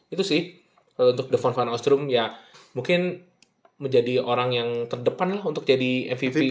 itu sih untuk devon van oostrum ya mungkin menjadi orang yang terdepan lah untuk jadi mvp